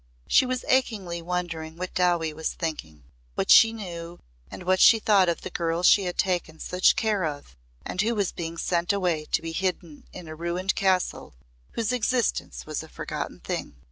She was achingly wondering what Dowie was thinking what she knew and what she thought of the girl she had taken such care of and who was being sent away to be hidden in a ruined castle whose existence was a forgotten thing.